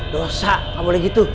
dosa gak boleh gitu